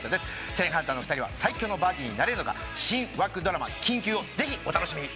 正反対の２人は最強のバディになれるのか新枠ドラマ金９をぜひお楽しみに。